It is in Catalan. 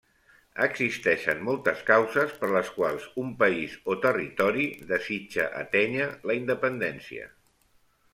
Existeixen moltes causes per les quals un país o territori desitja atènyer la independència.